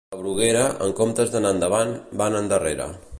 A Bruguera, en comptes d'anar endavant, van endarrere.